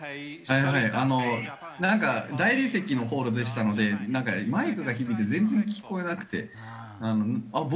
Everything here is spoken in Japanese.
大理石のホールでしたので、マイクが響いて全然聞こえなくて、僕？